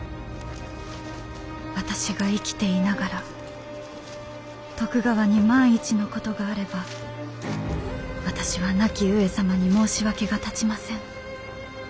「私が生きていながら徳川に万一のことがあれば私は亡き上様に申し訳が立ちません。